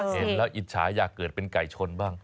เห็นแล้วอิจฉาอยากเกิดเป็นไก่ชนบ้าง